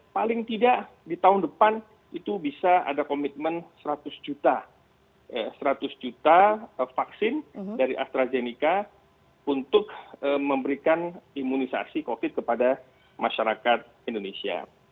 paling tidak di tahun depan itu bisa ada komitmen seratus juta seratus juta vaksin dari astrazeneca untuk memberikan imunisasi covid kepada masyarakat indonesia